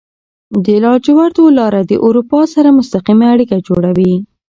د لاجوردو لاره د اروپا سره مستقیمه اړیکه جوړوي.